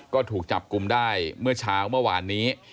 ก็ถูกจับกลุ่มได้เมื่อเช้าเมื่อวานนี้